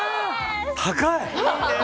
高い！